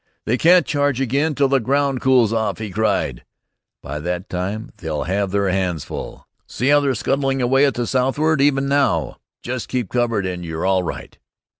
"They can't charge again till the ground cools off," he cried. "By that time they'll have their hands full. See how they're scudding away at the southward even now. Just keep covered and you're all right."